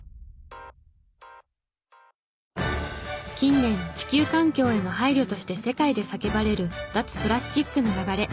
近年地球環境への配慮として世界で叫ばれる脱プラスチックの流れ。